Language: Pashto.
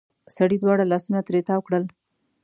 سړې دواړه لاسونه ترې تاو کړل.